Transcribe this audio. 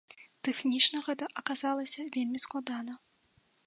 Тэхнічна гэта аказалася вельмі складана.